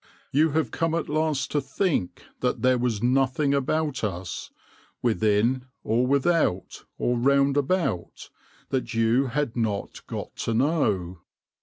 You have come at last to think that there was nothing about us, within or without or round about, that you had not got to know.